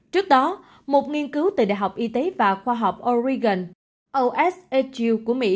trước đó một nghiên cứu từ đại học y tế và khoa học oregon oshu của mỹ